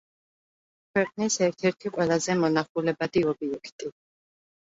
ქვეყნის ერთ-ერთი ყველაზე მონახულებადი ობიექტი.